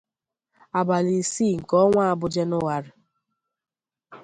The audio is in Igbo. abalị isii nke ọnwa a bụ Jenuwarị.